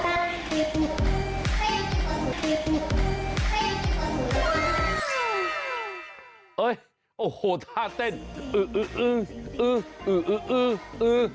เฮ้ยโอ้โหท่าเต้นอึอึอึ